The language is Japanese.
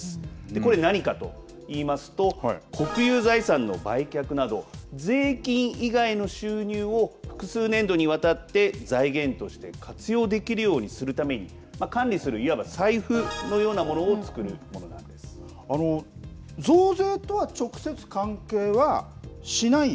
これ、何かと言いますと国有財産の売却など税金以外の収入を複数年度にわたって財源として活用できるようにするために管理する、いわば財布のようなものを増税とは直接、関係はしない。